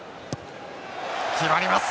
決まります！